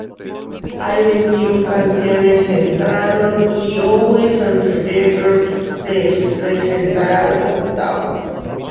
Hay veintiún canciones entraron y "Always and Forever" se presentará octavo.